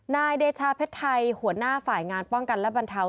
นายเดชาเพชรไทยหัวหน้าฝ่ายงานป้องกันและบรรเทา